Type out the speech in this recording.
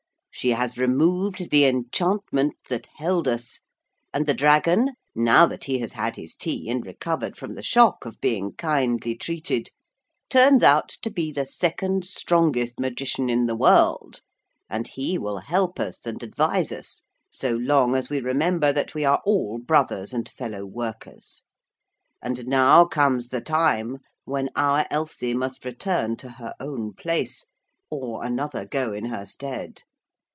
She has removed the enchantment that held us; and the dragon, now that he has had his tea and recovered from the shock of being kindly treated, turns out to be the second strongest magician in the world, and he will help us and advise us, so long as we remember that we are all brothers and fellow workers. And now comes the time when our Elsie must return to her own place, or another go in her stead.